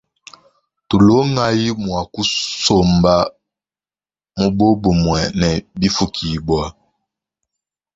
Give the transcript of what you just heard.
Tulongayi mua kusomba mubobumue na bifukibua.